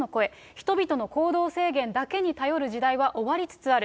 人々の行動制限だけに頼る時代は終わりつつある。